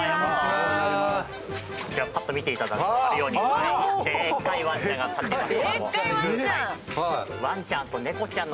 パッと見ていただくと分かるようにでっかいワンちゃんが立っています。